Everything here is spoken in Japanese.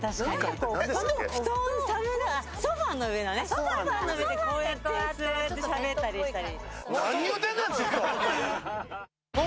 ソファーの上でこうやってしゃべったりしたり。